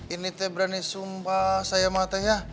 ini teh berani sumpah saya sama teh ya